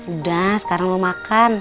udah sekarang lo makan